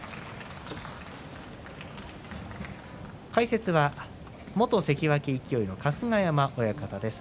解説は元関脇勢の春日山親方です。